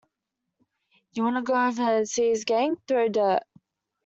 You want to go over and see his gang throw dirt.